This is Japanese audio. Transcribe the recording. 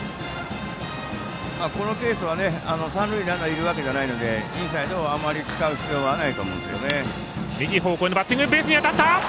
このケースは三塁ランナーいるわけじゃないのでインサイドはあまり使う必要はないと思います。